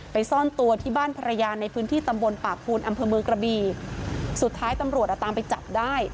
ซ่อนตัวที่บ้านภรรยาในพื้นที่ตำบลป่าภูนอำเภอเมืองกระบีสุดท้ายตำรวจอ่ะตามไปจับได้